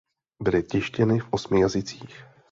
Byly tištěny v osmi jazycích.